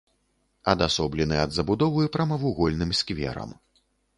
Адасоблены ад забудовы прамавугольным скверам.